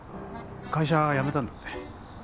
会社やめたんだって？